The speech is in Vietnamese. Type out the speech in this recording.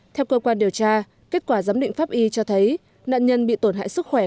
theo cơ quan điều tra kết quả giám định pháp y cho thấy nạn nhân bị tổn hại sức khỏe